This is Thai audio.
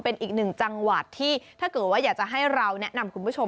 เป็นอีกหนึ่งจังหวัดที่ถ้าเกิดว่าอยากจะให้เราแนะนำคุณผู้ชม